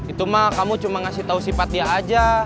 itu mah kamu cuma ngasih tau sifat dia aja